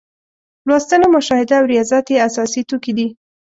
لوستنه، مشاهده او ریاضت یې اساسي توکي دي.